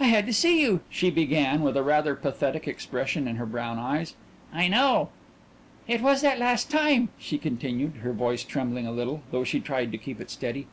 "I had to see you," she began, with a rather pathetic expression in her brown eyes. "I know." "It was that last time," she continued, her voice trembling a little, though she tried to keep it steady.